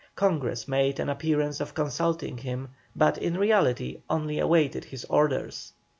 Congress made an appearance of consulting him, but in reality only awaited his orders.